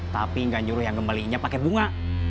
tapi gak nyuruh yang kembalinya pake bunga